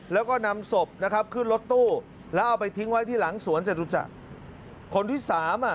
แล้วก็นำศพขึ้นรถตู้แล้วเอาไปทิ้งไว้ที่หลังสวนเจ้ารุจักษ์